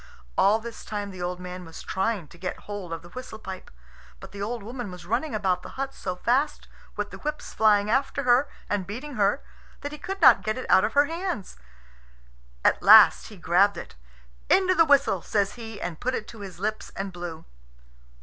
All this time the old man was trying to get hold of the whistle pipe. But the old woman was running about the hut so fast, with the whips flying after her and beating her, that he could not get it out of her hands. At last he grabbed it. "Into the whistle," says he, and put it to his lips and blew.